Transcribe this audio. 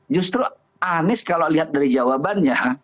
justru anies kalau lihat dari jawabannya